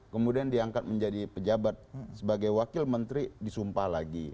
kemudian diangkat menjadi pejabat sebagai wakil menteri disumpah lagi